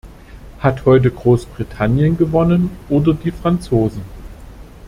Hat heute Großbritannien gewonnen oder die Franzosen?